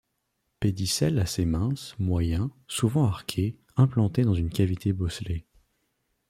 Pédicelle assez mince, moyen, souvent arqué, implanté dans une cavité bosselée.